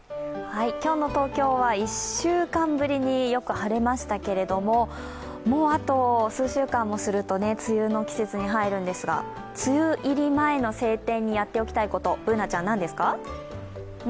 今日の東京は１週間ぶりによく晴れましたけれども、もうあと数週間もすると梅雨の季節に入るんですが、梅雨入り前の晴天にやっておきたいこと、何ですか？